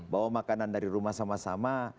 bawa makanan dari rumah sama sama